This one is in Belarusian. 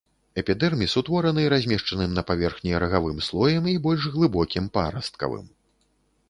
Эпідэрміс утвораны размешчаным на паверхні рагавым слоем і больш глыбокім парасткавым.